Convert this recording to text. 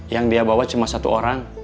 yang dia bawa cuma satu orang